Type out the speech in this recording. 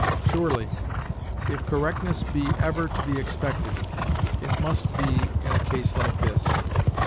Surely, if correctness be ever to be expected, it must be in a case like this.